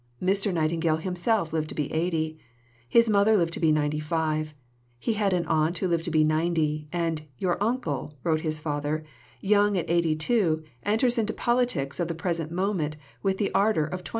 Mr. Nightingale himself lived to be 80. His mother lived to be 95; he had an aunt who lived to be 90; and "your uncle," wrote his father, "young at 82, enters into politics of the present moment with all the ardour of 22."